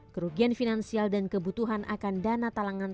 kerugian finansial dan kebutuhan akan dana talangan